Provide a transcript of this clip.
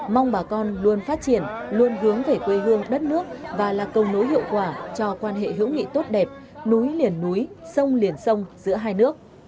mong bà con luôn phát triển luôn hướng về quê hương đất nước và là cầu nối hiệu quả cho quan hệ hữu nghị tốt đẹp núi liền núi sông liền sông giữa hai nước